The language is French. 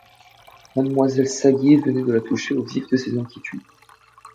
Mademoiselle Saget venait de la toucher au vif de ses inquiétudes.